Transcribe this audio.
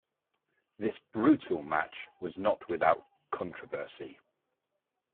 This brutal match was not without controversy.